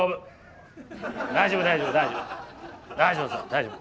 大丈夫！